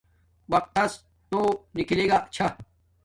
وقت تس توہ نکھلے گا چھا